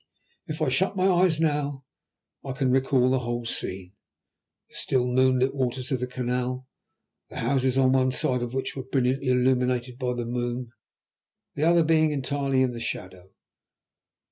If I shut my eyes now I can recall the whole scene: the still moonlit waters of the canal, the houses on one side of which were brilliantly illuminated by the moon, the other being entirely in the shadow.